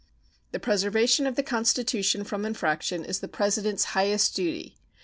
The preservation of the Constitution from infraction is the President's highest duty.